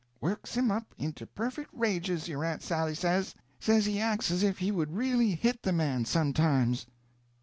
"Works him up into perfect rages, your aunt Sally says; says he acts as if he would really hit the man, sometimes."